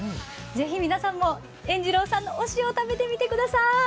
ぜひ皆さんも塩二郎さんのお塩食べてみてください。